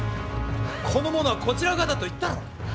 この者はこちら側だと言ったろう。